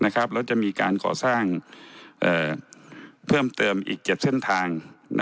แล้วจะมีการก่อสร้างเพิ่มเติมอีก๗เส้นทาง